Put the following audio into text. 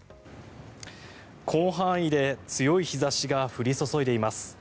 広範囲で強い日差しが降り注いでいます。